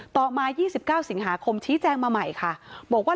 ต่อมา๒๙สิงหาคมชี้แจงมาใหม่ค่ะ